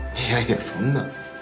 いやいやそんな。